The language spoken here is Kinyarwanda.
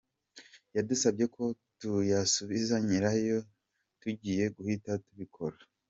Yadusabye ko tuyasubiza nyirayo tugiye guhita tubikora”